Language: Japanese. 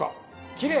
きれい！